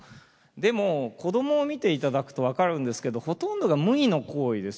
でも子供を見ていただくと分かるんですけどほとんどが無為の行為ですよ。